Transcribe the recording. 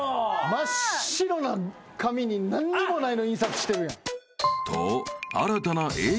真っ白な紙に何にもないの印刷してるやん。